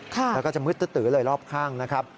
แล้วก็จะมืดตื้อเลยรอบข้างนะครับ